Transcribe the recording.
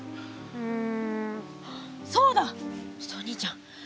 うん。